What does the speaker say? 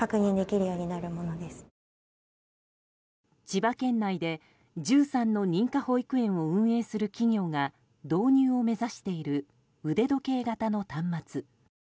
千葉県内で、１３の認可保育園を運営する企業が導入を目指している腕時計型の端末。